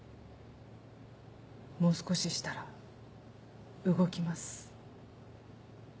もう少ししたら動きます。